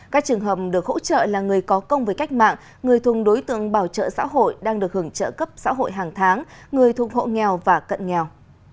các trường hợp được hỗ trợ là người có công với cách mạng người thuộc đối tượng bảo trợ xã hội đang được hưởng trợ cấp xã hội hàng tháng người thuộc hộ nghèo và cận nghèo